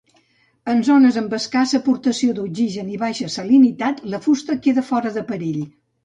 En zones amb escassa aportació d'oxigen i baixa salinitat la fusta queda fora de perill.